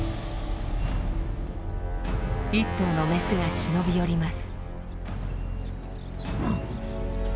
１頭のメスが忍び寄ります。